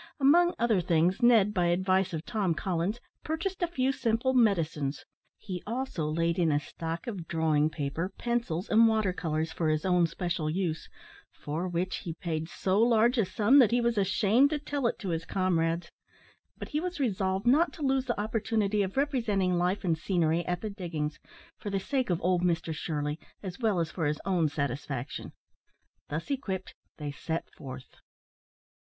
Among other things, Ned, by advice of Tom Collins, purchased a few simple medicines; he also laid in a stock of drawing paper, pencils, and water colours, for his own special use, for which he paid so large a sum that he was ashamed to tell it to his comrades; but he was resolved not to lose the opportunity of representing life and scenery at the diggings, for the sake of old Mr Shirley, as well as for his own satisfaction. Thus equipped they set forth.